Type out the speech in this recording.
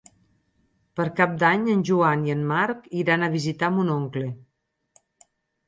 Per Cap d'Any en Joan i en Marc iran a visitar mon oncle.